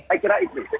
saya kira itu